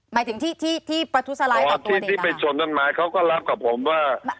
หมายถึงที่ที่ที่ประทุสรร้ายออกตัวเนี้ยครับอ๋อที่ที่ไปชนกันมาเขาก็รับกับผมว่า